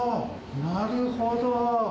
なるほど。